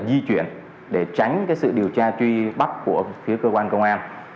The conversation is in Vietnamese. di chuyển để tránh sự điều tra truy bắt của phía cơ quan công an